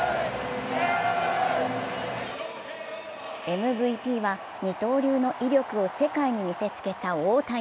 ＭＶＰは二刀流の威力を世界に見せつけた大谷。